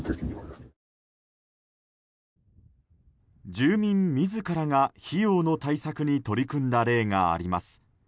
住民自らが費用の対策に取り組んだ例があります。